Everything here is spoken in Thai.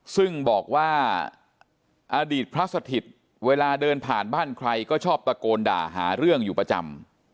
ซึ่งบอกว่าอดีตพระสถิตย์เวลาเดินผ่านบ้านใครก็ชอบตะโกนด่าหาเรื่องอยู่ประจำ